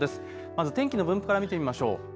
まず天気の分布から見てみましょう。